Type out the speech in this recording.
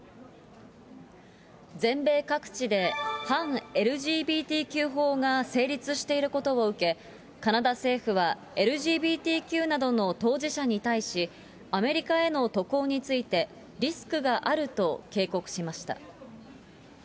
全米各地で反ＬＧＢＴＱ法が成立していることを受け、カナダ政府はＬＧＢＴＱなどの当事者に対し、アメリカへの渡航について、リスクがあると警告しました。